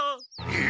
え！？